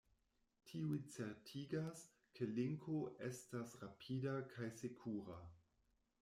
Tiuj certigas, ke Linko estas rapida kaj sekura.